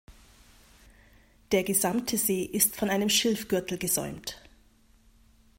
Der gesamte See ist von einem Schilfgürtel gesäumt.